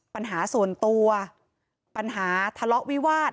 ปัญหาส่วนตัวปัญหาทะเลาะวิวาส